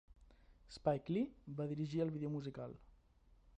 Spike Lee va dirigir el vídeo musical.